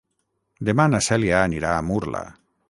Demà na Cèlia anirà a Murla.